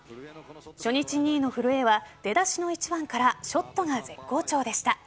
初日２位の古江は出だしの１番からショットが絶好調でした。